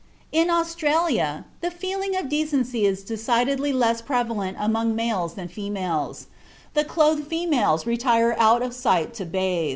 In Australia "the feeling of decency is decidedly less prevalent among males than females;" the clothed females retire out of sight to bathe.